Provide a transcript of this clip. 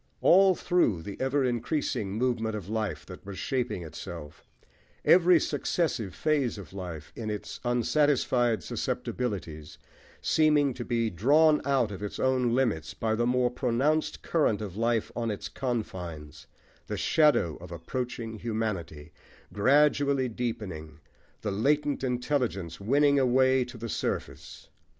All through the ever increasing movement of life that was shaping itself; every successive phase of life, in its unsatisfied susceptibilities, seeming to be drawn out of its own limits by the more pronounced current of life on its confines, the "shadow of approaching humanity" gradually deepening, the latent intelligence winning a way to the surface.